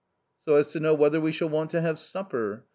" So as to know whether we shall want to have supper.